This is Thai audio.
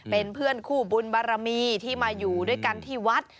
เป็นเพื่อนคู่บุญบารมีที่มาอยู่ด้วยกันที่วัด